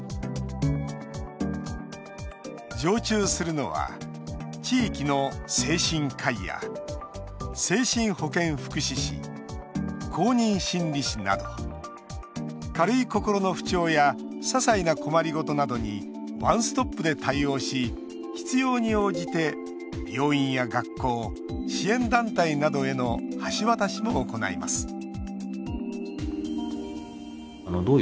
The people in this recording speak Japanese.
常駐するのは、地域の精神科医や精神保健福祉士、公認心理師など軽い心の不調やささいな困りごとなどにワンストップで対応し必要に応じて病院や学校、支援団体などへの橋渡しも行います